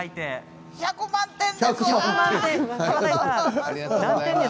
１００万点です。